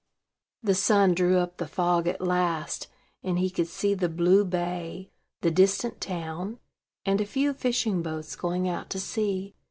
The sun drew up the fog at last; and he could see the blue bay, the distant town, and a few fishing boats going out to sea.